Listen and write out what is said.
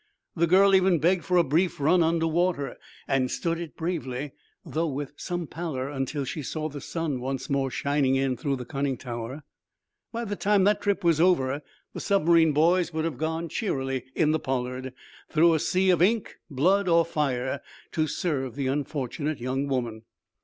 The girl even begged for a brief run under water, and stood it bravely, though with some pallor until she saw the sun once more shining in through the conning tower. By the time that trip was over the submarine boys would have gone cheerily in the "Pollard?" through a sea of ink, blood or fire to serve the unfortunate young woman.